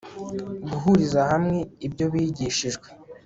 Guhuriza hamwe ibyo bigishijwe